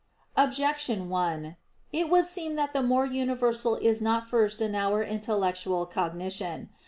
Objection 1: It would seem that the more universal is not first in our intellectual cognition.